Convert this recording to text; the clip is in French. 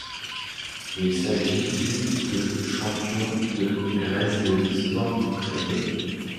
Il s'agit du de champion de Grèce de l'histoire du club.